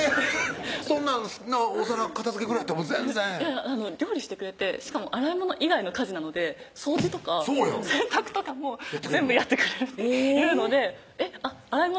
「そんなんお皿片づけぐらいやったら全然」料理してくれてしかも洗い物以外の家事なので掃除とか洗濯とかも全部やってくれるって言うので「えっ洗い物？